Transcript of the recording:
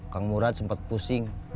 kang murad sempet pusing